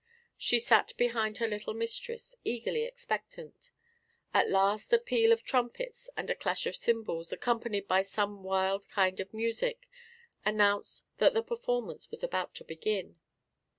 She sat behind her little mistress, eagerly expectant. At last a peal of trumpets and a clash of cymbals, accompanied by some wild kind of music, announced that the performance was about to begin.